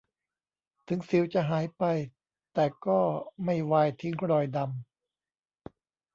ถึงสิวจะหายไปแต่ก็ไม่วายทิ้งรอยดำ